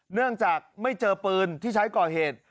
เนื่องจากไม่เจอปืนที่ใช้ก่อเหตุ